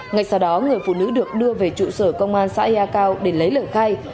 ngay sau đó người phụ nữ được đưa về trụ sở công an xã ya cao để lấy lời khai